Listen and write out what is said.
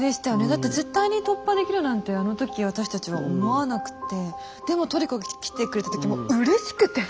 だって絶対に突破できるなんてあの時私たちは思わなくってでもトリコが来てくれた時もううれしくて！